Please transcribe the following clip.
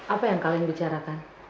apa yang kalian bicarakan